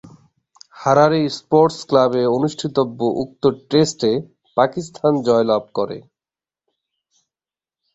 Harare sports ক্লাবে অনুষ্ঠিতব্য উক্ত টেস্টে পাকিস্তান জয়লাভ করে।